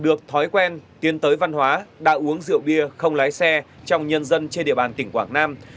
được thói quen tiến tới văn hóa đã uống rượu bia không lái xe trong nhân dân trên địa bàn tỉnh quảng nam